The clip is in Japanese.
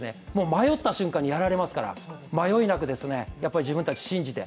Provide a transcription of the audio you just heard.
迷った瞬間にやられますから迷いなく、自分たち信じて。